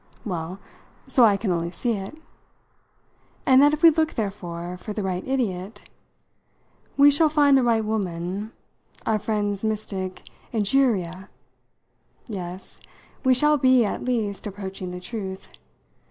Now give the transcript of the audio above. "Well so I can only see it." "And that if we look, therefore, for the right idiot " "We shall find the right woman our friend's mystic Egeria? Yes, we shall be at least approaching the truth.